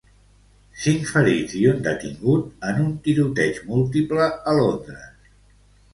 Cinc ferits i un detingut en un tiroteig múltiple a Londres.